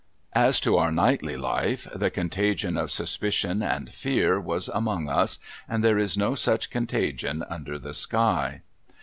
As to our nightly life, the contagion of suspicion and fear was among us, and there is no such contagion under the sky.